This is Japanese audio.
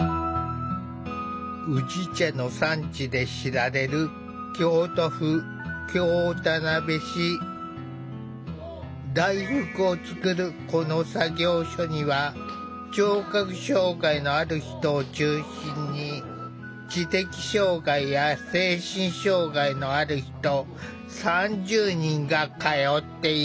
宇治茶の産地で知られる大福を作るこの作業所には聴覚障害のある人を中心に知的障害や精神障害のある人３０人が通っている。